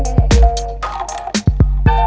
kau mau kemana